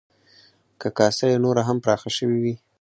که کاسه یې نوره هم پراخه شوې وی،